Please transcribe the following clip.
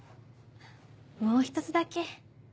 もう１つだけ。